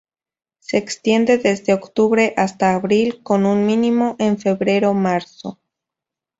Se extiende desde octubre hasta abril, con un mínimo en febrero-marzo.